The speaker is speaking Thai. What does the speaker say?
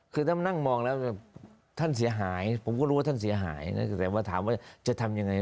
คือถ้านั่งมองแล้วท่านเสียหายผมก็รู้ว่าท่านเสียหายนะแต่ว่าถามว่าจะทำยังไง